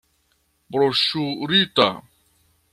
Broŝurita.